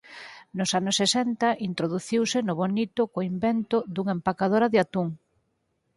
Nos anos sesenta introduciuse no bonito co invento dunha empacadora de atún.